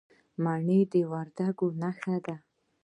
مڼه د وردګو نښه ده.